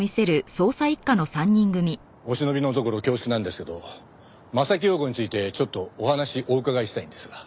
お忍びのところ恐縮なんですけど柾庸子についてちょっとお話お伺いしたいんですが。